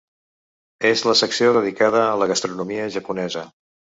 És la secció dedicada a la gastronomia japonesa.